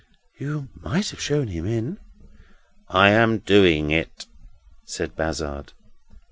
"You might have shown him in." "I am doing it," said Bazzard.